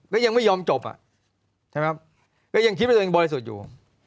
ก็ยังไม่ยอมจบอ่ะใช่ไหมครับก็ยังคิดว่าตัวเองบริสุทธิ์อยู่